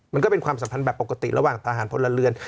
มันก็เป็นความสัมพันธ์แบบปกติระหว่างทหารพลเรือน